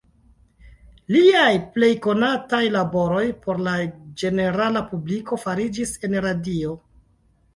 Liaj plej konataj laboroj por la ĝenerala publiko fariĝis en radio.